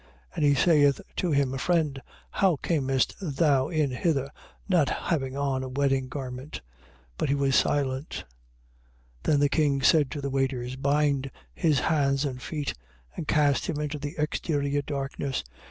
And he saith to him: Friend, how camest thou in hither not having on a wedding garment? But he was silent. 22:13. Then the king said to the waiters: Bind his hands and feet, and cast him into the exterior darkness.